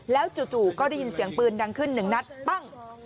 แล้วจู่ก็ได้ยินเสียงปืนดังขึ้นหนึ่งนัดปั้ง